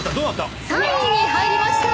３位に入りました。